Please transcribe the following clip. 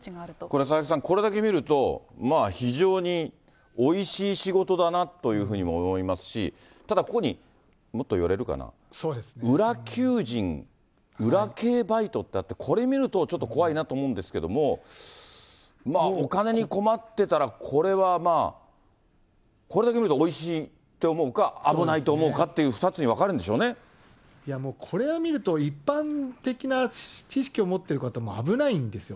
これ、佐々木さん、これだけ見ると、非常においしい仕事だなというふうにも思いますし、ただ、ここに、もっと寄れるかな、裏求人、裏系バイトってあって、これ見ると、ちょっと怖いなと思うんですけど、お金に困ってたら、これはまあ、これだけ見ると、おいしいって思うか、危ないと思うかと、もう、これを見ると、一般的な知識を持ってる方も危ないんですよ。